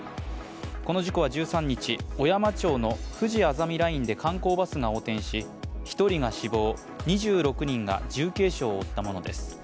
この事故は１３日、小山町のふじあざみラインで観光バスが横転し１人が死亡、２６人が重軽傷を負ったものです。